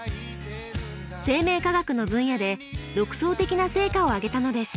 生命科学の分野で独創的な成果を上げたのです。